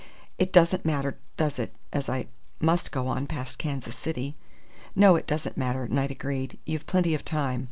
"It doesn't matter, does it, as I must go on past Kansas City?" "No, it doesn't matter," Knight agreed. "You've plenty of time.